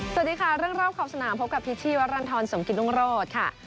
สวัสดีค่ะเรื่องรอบขอบสนามพบกับพิชชีวรรณฑรสมกิตรุงโรธค่ะ